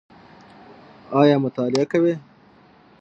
ایا مطالعه کوئ؟